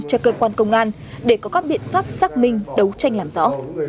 cho cơ quan công an để có các biện pháp xác minh đấu tranh làm rõ